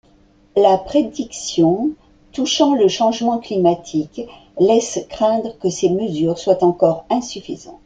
Les prédictions touchant le changement climatiques laisent craindre que ces mesures soient encore insuffisantes.